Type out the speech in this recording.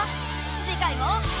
次回も。